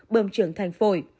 bơm trưởng thành phổi